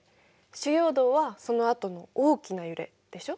主要動はそのあとの大きな揺れ。でしょ？